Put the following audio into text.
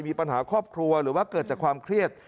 มีปัญหาครอบครัวหรือว่าเกิดจากความเครียด